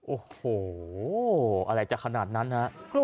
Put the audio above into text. โอ้โหอะไรจากขนาดนั้นครับ